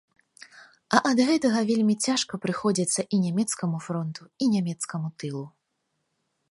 А ад гэтага вельмі цяжка прыходзіцца і нямецкаму фронту і нямецкаму тылу.